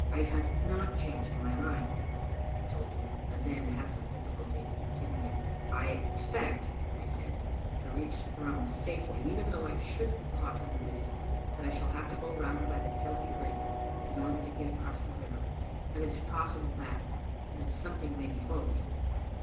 " I have not changed my mind," I told him, and then had some difl&culty in continuing. "I expect," I said, "to reach Thrums safely, even though I should be Digitized by VjOOQ IC XLbc (3(en at JSteaft of S>ai?* m <5aught in the mist, but I shall have to go round by the Kelpie brig in order to get across the river, and it is possible that — that something may befall me."